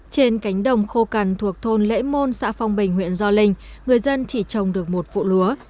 trên cánh đồng khô cằn thuộc thôn lễ môn xã phong bình huyện gio linh người dân chỉ trồng được một vụ lúa